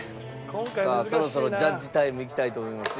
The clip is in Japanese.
さあそろそろジャッジタイムいきたいと思います。